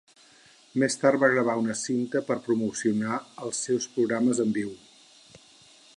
Més tard va gravar una cinta per promocionar els seus programes en viu.